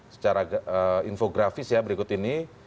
secara infografis ya berikut ini